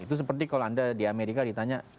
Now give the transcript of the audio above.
itu seperti kalau anda di amerika ditanya